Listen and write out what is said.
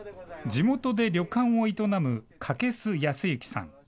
地元で旅館を営む掛須保之さん。